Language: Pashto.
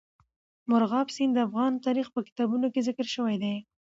مورغاب سیند د افغان تاریخ په کتابونو کې ذکر شوی دي.